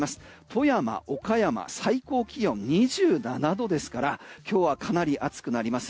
富山、岡山、最高気温が気温２７度ですから今日はかなり暑くなります。